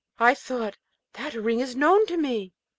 I thought, 'That ring is known to me!'